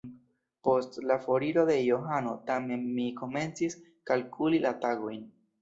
Post la foriro de Johano tamen mi komencis kalkuli la tagojn.